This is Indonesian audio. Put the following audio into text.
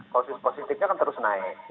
kondisi positifnya akan terus naik